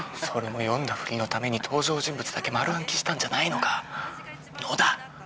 それも読んだふりのために登場人物だけ丸暗記したんじゃないのか⁉野田！